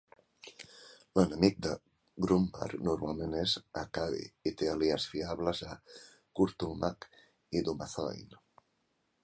L'enemic de Grumbar normalment és Akadi, i té aliats fiables a Kurtulmak i Dumathoin.